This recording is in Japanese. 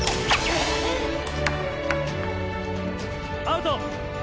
アウト！